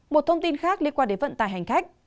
một thông tin khác liên quan đến vận tải hành khách